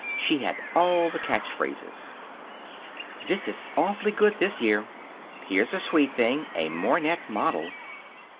She had all the catch phrases: "This is awfully good this year." "Here's a sweet thing. A Mornet model."